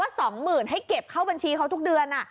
ว่า๒๐๐๐๐ให้เก็บเข้าบัญชีเขาทุกเดือน